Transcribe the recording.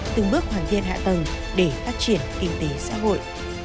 từng bước hoàn thiện hạ tầng để phát triển kinh tế xã hội